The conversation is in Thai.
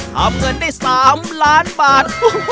ทำเงินได้๓ล้านบาท